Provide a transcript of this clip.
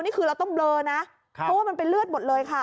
นี่คือเราต้องเบลอนะเพราะว่ามันเป็นเลือดหมดเลยค่ะ